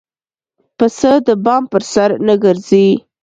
پسه د بام پر سر نه ګرځي.